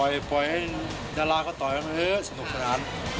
โอ๊ยปล่อยให้ดาราเขาต่อยสนุกสนาน